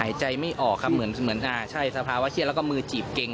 หายใจไม่ออกครับเหมือนอ่าใช่สภาวะเครียดแล้วก็มือจีบเก่ง